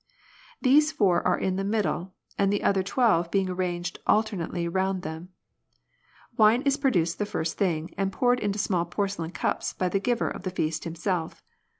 These four are in the middle, the other twelve being arranged alternately round them. Wine is produced the first thing, and poured into small porcelain cups by the giver of the feast himself.